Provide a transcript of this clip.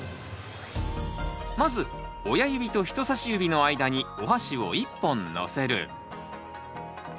まず親指と人さし指の間におはしを１本のせる。